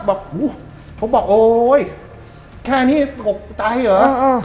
แบบโหผมบอกโอ้ยแค่นี้ตกใจเหรออ่าอ่า